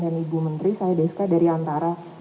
ibu menteri saya deska dari antara